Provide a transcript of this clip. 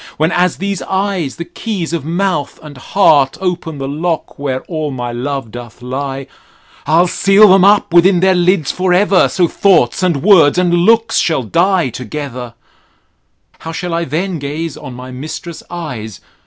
When as these eyes, the keys of mouth and heart, Open the lock where all my love doth lie; I'll seal them up within their lids for ever: So thoughts and words and looks shall die together 3. How shall I then gaze on my mistress' eyes?